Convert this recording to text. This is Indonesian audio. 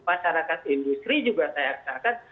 masyarakat industri juga saya aksakan